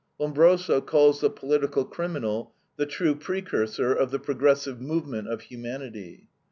Lombroso calls the political criminal the true precursor of the progressive movement of humanity.